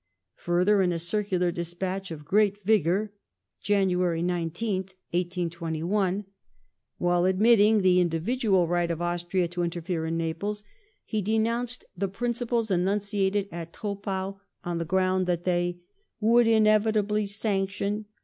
Further, in a circular despatch of great vigour (Jan. 19th, 1821), while admitting the individual right of Austria to interfere in Naples he denounced the principles enunciated at Troppau on the ground that they " would inevitably sanction